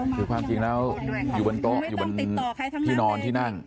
คือความจริงแล้วอยู่บนโต๊ะอยู่บนโต๊ะที่นอนที่นั่ง